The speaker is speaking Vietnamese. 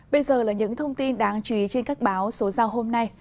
bây giờ là những thông tin đáng chú ý trên các báo số giao hôm nay